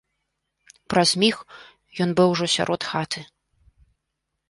Праз міг ён быў ужо сярод хаты.